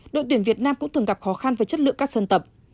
đội tuyển việt nam cũng thường gặp khó khăn với chất lượng các sân tập